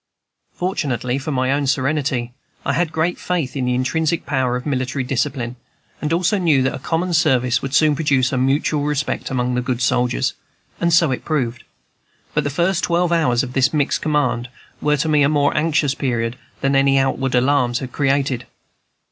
Fortunately for my own serenity, I had great faith in the intrinsic power of military discipline, and also knew that a common service would soon produce mutual respect among good soldiers; and so it proved. But the first twelve hours of this mixed command were to me a more anxious period than any outward alarms had created.